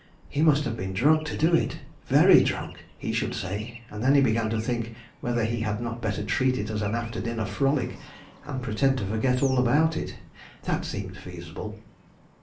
He must have been drunk to do it very drunk, he should say; and then he began to think whether he had not better treat it as an after dinner frolic, and pretend to forget all about it. That seemed feasible.